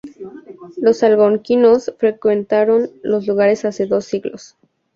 Los algonquinos frecuentaron los lugares hace dos siglos.